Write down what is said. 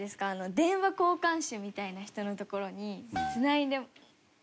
電話交換手みたいな人のところにつないでもらって。